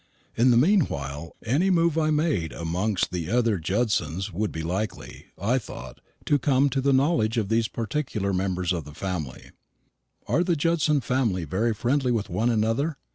In the meanwhile any move I made amongst the other Judsons would be likely, I thought, to come to the knowledge of these particular members of the family. "Are the Judson family very friendly with one another?"